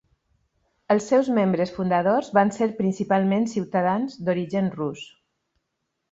Els seus membres fundadors van ser principalment ciutadans d'origen rus.